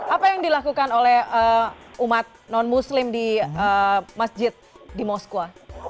apa yang dilakukan oleh umat non muslim di masjid di moskwa